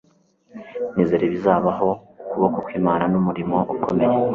nizera ibizabaho, ukuboko kw'imana n'umurimo ukomeye